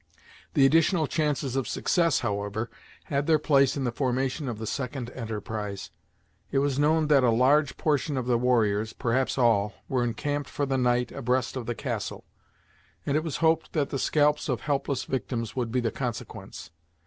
The additional chances of success, however, had their place in the formation of the second enterprise. It was known that a large portion of the warriors perhaps all were encamped for the night abreast of the castle, and it was hoped that the scalps of helpless victims would be the consequence.